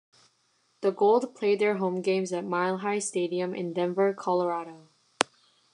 The Gold played their home games at Mile High Stadium in Denver, Colorado.